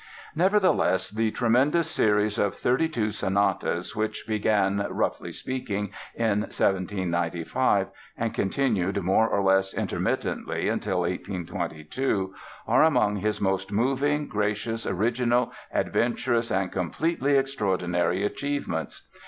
Nevertheless, the tremendous series of thirty two sonatas, which began, roughly speaking, in 1795 and continued more or less intermittently till 1822, are among his most moving, gracious, original, adventurous, and completely extraordinary achievements.